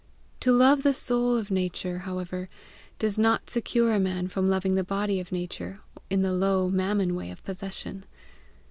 To love the soul of Nature, however, does not secure a man from loving the body of Nature in the low Mammon way of possession.